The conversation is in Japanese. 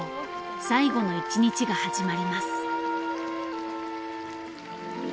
最後の１日が始まります。